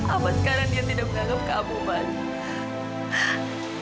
apa sekarang dia tidak menganggap kamu mas